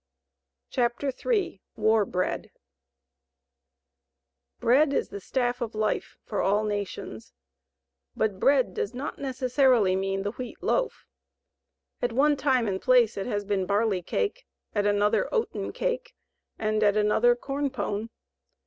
CHAPTER III WAR BREAD Bread is the staff of life for all nations. But "bread" does not necessarily mean the wheat loaf. At one time and place it has been barley cake, at another oaten cake, and at another corn pone.